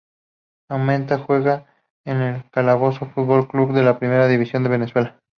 Actualmente juega en el Carabobo Fútbol Club de la Primera División de Venezuela.